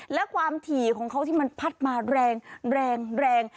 และความถี่ของเขาที่มันพัดมาแรงแรง